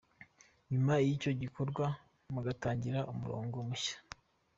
Nyuma y’icyo gikorwa mugatangira umurongo mushya.